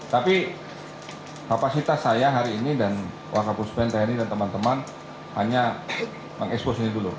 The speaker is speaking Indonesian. tapi kapasitas saya hari ini dan wakapuspen tni dan teman teman hanya mengekspos ini dulu